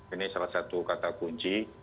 ini salah satu kata kunci